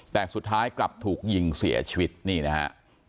แต่สุดท้ายกลับถูกยิงเสียชีวิตนี่นะฮะ